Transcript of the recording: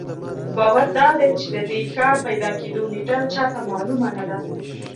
باور دادی چې د دې ښار پیدا کېدو نېټه چا ته معلومه نه ده.